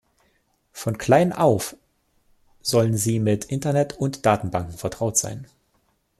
Von klein auf sollen sie mit Internet und Datenbanken vertraut sein.